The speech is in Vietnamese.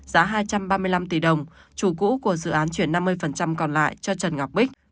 giá hai trăm ba mươi năm tỷ đồng chủ cũ của dự án chuyển năm mươi còn lại cho trần ngọc bích